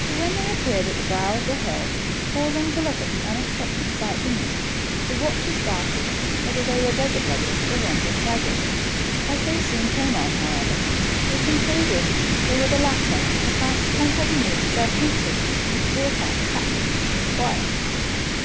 So when they appeared at the brow of the hill, pausing to look at the unexpected sight beneath, the watchers doubted whether they were desert robbers, or wandering beggars. As they soon came on, how ever, they concluded they were the latter, and per haps might have. news of their princes, which brought out the captains to inquire.